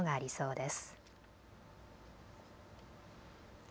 です。